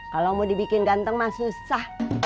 kalau mau dibikin ganteng mah susah